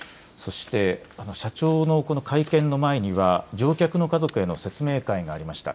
そして社長の会見の前には乗客の家族への説明会がありました。